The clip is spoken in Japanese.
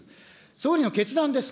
総理の決断です。